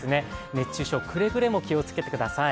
熱中症、くれぐれも気をつけてください。